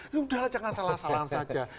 sudah lah jangan salah salahan saja